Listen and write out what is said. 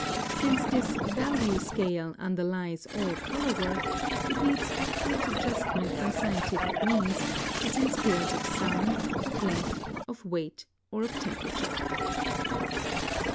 Since this VALUE SCALE underlies all color work, it needs accurate adjustment by scientific means, as in scales of sound, of length, of weight, or of temperature.